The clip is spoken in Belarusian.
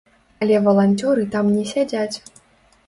Але валанцёры там не сядзяць.